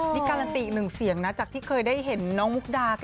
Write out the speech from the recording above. นี่การันตีหนึ่งเสียงนะจากที่เคยได้เห็นน้องมุกดา